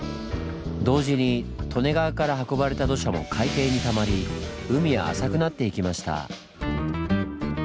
同時に利根川から運ばれた土砂も海底にたまり海は浅くなっていきました。